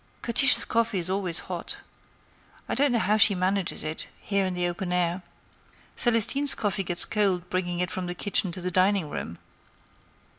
"Catiche's coffee is always hot. I don't know how she manages it, here in the open air. Celestine's coffee gets cold bringing it from the kitchen to the dining room.